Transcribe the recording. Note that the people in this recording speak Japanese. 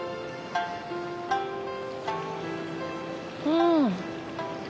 うん。